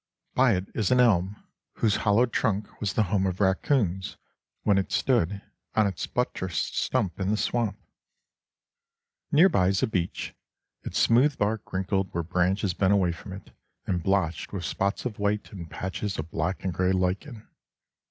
By it is an elm, whose hollow trunk was the home of raccoons when it stood on its buttressed stump in the swamp. Near by is a beech, its smooth bark wrinkled where branches bent away from it, and blotched with spots of white and patches of black and gray lichen.